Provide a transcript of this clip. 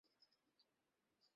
চলো ফিরে যাই, মাস্টার।